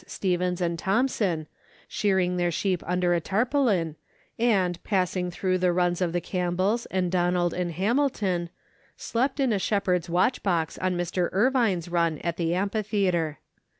Stevens and Thomson, shearing their sheep under a tarpaulin, and, passing through the runs of the Campbells and Donald & Hamilton, slept in a shepherd's watch box on Mr. Irvine's run at the Amphitheatre.